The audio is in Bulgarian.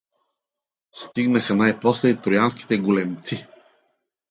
Стигнаха най-после и троянските големци.